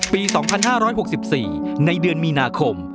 ปีสองพันห้าร้อยหกสิบสี่ในเดือนมีนาคม